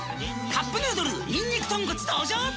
「カップヌードルにんにく豚骨」登場！